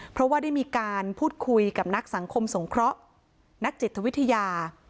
เพราะว่าได้มีการพูดคุยกับนักสังคมสงเคราะห์นักจิตวิทยา